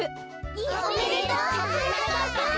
おめでとうはなかっぱくん。